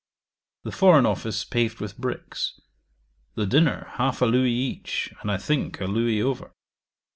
The foreign office paved with bricks. The dinner half a Louis each, and, I think, a Louis over.